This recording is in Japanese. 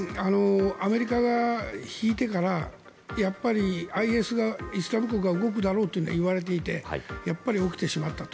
アメリカが引いてからやっぱりＩＳがイスラム国が動くだろうと言われていてやっぱり起きてしまったと。